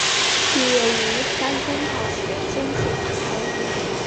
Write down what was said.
毕业于山东大学经济法专业。